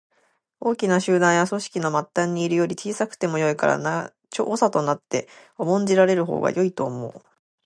大きな集団や組織の末端にいるより、小さくてもよいから長となって重んじられるほうがよいということ。